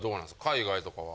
海外とかは。